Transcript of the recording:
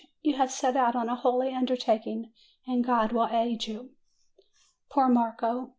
You have set out on a holy u'ndertak ing, and God will aid you/' Poor Marco !